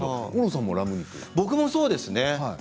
僕もそうですね。